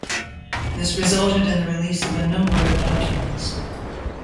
This resulted in the release of a number of documents.